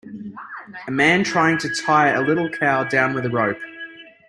A man trying to tie a little cow down with a rope.